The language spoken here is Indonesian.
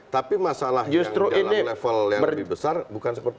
tapi masalahnya dalam level yang lebih besar bukan seperti itu